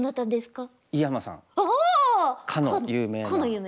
かの有名な。